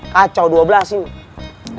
kacau dua belas ini